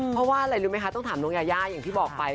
เพราะว่าอะไรรู้ไหมคะต้องถามน้องยายาอย่างที่บอกไป